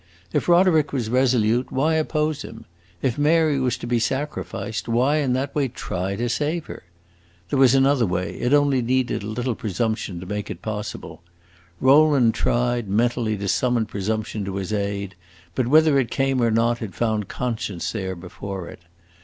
If Roderick was resolute, why oppose him? If Mary was to be sacrificed, why, in that way, try to save her? There was another way; it only needed a little presumption to make it possible. Rowland tried, mentally, to summon presumption to his aid; but whether it came or not, it found conscience there before it.